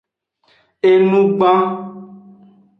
Enugban.